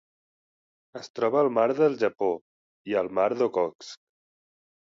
Es troba al mar del Japó i el mar d'Okhotsk.